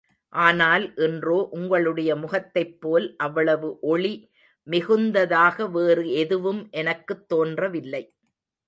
ஆனால் இன்றோ உங்களுடைய முகத்தைப் போல் அவ்வளவு ஒளி மிகுந்ததாக வேறு எதுவும் எனக்குத் தோன்றவில்லை.